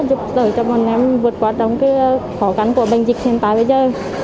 đồng viên đó giúp đỡ cho con em vượt qua trong cái khó khăn của bệnh dịch hiện tại bây giờ